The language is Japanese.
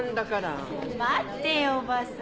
・待ってよ叔母さん。